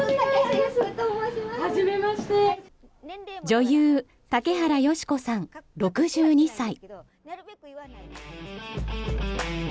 女優・竹原芳子さん、６２歳。